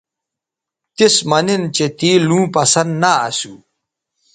تِس مہ نن چہء تے لوں پسند نہ اسو